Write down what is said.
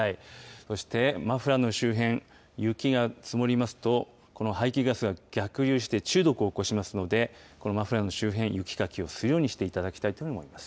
そしてマフラーの周辺、雪が積もりますとこの排気ガスが逆流して、中毒を起こしますので、このマフラーの周辺、雪かきをするようにしていただきたいと思います。